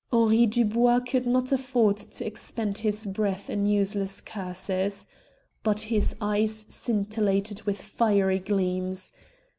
Henri Dubois could not afford to expend his breath in useless curses. But his eyes scintillated with fiery gleams.